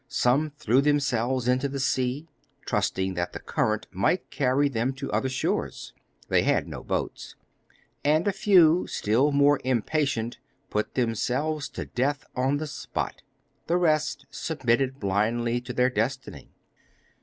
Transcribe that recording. Some threw themselves into the sea, trusting that the current might carry them to other shores they had no boats and a few, still more impatient, put themselves to death on the spot. The rest submitted blindly to their destiny.